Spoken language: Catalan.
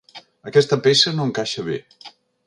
Aquesta peça no encaixa bé.